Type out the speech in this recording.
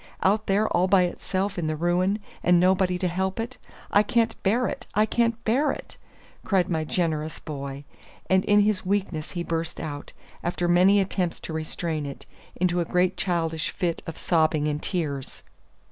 Out there all by itself in the ruin, and nobody to help it! I can't bear it! I can't bear it!" cried my generous boy. And in his weakness he burst out, after many attempts to restrain it, into a great childish fit of sobbing and tears.